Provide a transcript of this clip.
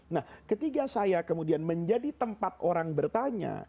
nah ketika saya kemudian menjadi tempat orang bertanya